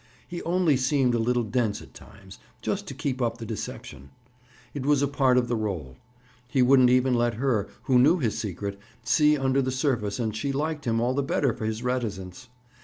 He only seemed a little dense at times, just to keep up the deception. It was a part of the role. He wouldn't even let her, who knew his secret, see under the surface and she liked him all the better for his reticence.